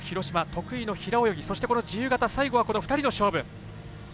得意の平泳ぎそして、自由形最後は２人の勝負。